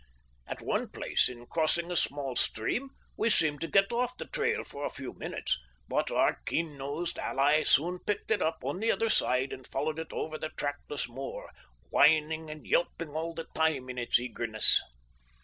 At one place, in crossing a small stream, we seemed to get off the trail for a few minutes, but our keen nosed ally soon picked it up on the other side and followed it over the trackless moor, whining and yelping all the time in its eagerness.